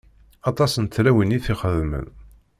Aṭas n tlawin i t-ixedmen.